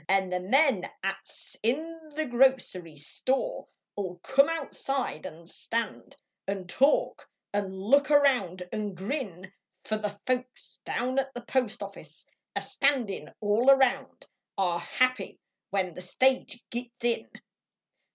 An the men at s in the grocery store Ll come outside nd stand Xd talk, nd look around nd grin ; Fer the folks down at the postoffice A standin all around Are happy when the stage conies in.